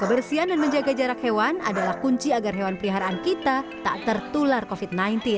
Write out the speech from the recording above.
kebersihan dan menjaga jarak hewan adalah kunci agar hewan peliharaan kita tak tertular covid sembilan belas